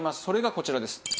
それがこちらです。